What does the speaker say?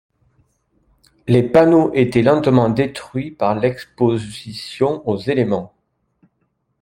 Les panneaux étaient lentement détruits par l'exposition aux éléments.